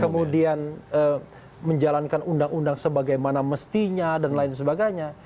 kemudian menjalankan undang undang sebagaimana mestinya dan lain sebagainya